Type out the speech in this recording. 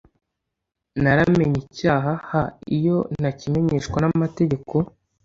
naramenye icyaha h iyo ntakimenyeshwa n amategeko